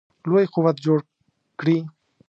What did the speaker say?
لوی قوت جوړ کړي.